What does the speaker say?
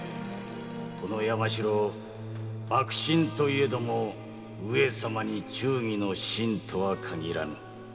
この山城幕臣といえども上様に忠義の臣とは限らぬ。